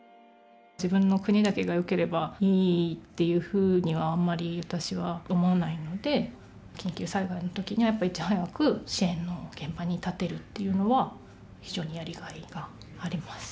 自分の国だけがよければいいっていうふうにはあんまり私は思わないので緊急災害の時にはやっぱいち早く支援の現場に立てるっていうのは非常にやりがいがあります。